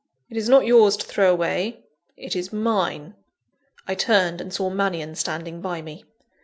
It is not your's to throw away it is mine!" I turned, and saw Mannion standing by me.